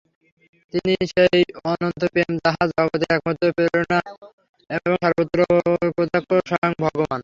তিনিই সেই অনন্ত প্রেম, যাহা জগতের একমাত্র প্রেরণা-শক্তি এবং সর্বত্র প্রত্যক্ষ স্বয়ং ভগবান্।